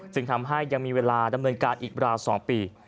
จึงทำให้ยังมีเวลาดำเนินการอีกราว๒ปี